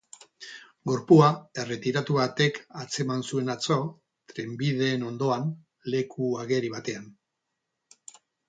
Gorpua erretiratu batek atzeman zuen atzo, trenbideen ondoan, leku ageri batean.